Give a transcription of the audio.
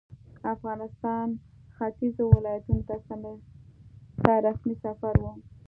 افغانستان ختیځو ولایتونو ته رسمي سفر وو.